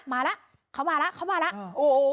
มาแล้วเขามาแล้วเขามาแล้วโอ้โห